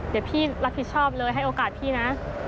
เดี๋ยวพี่รับผิดชอบเลยให้โอกาสพี่นะ